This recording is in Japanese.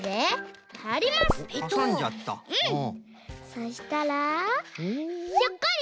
そしたらひょっこり！